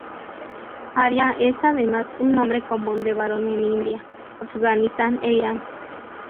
Aria es además un nombre común de varón en India, Afganistán e Irán.